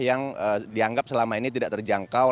yang dianggap selama ini tidak terjangkau